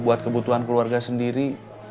buat kebutuhan keluarga sendiri